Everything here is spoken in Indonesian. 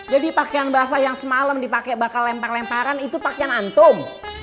jadi pakaian basah yang semalam dipakai bakal lempar lemparan itu pakaian antum